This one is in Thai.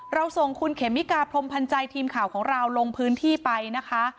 ส่งคุณเขมิกาพรมพันธ์ใจทีมข่าวของเราลงพื้นที่ไปนะคะ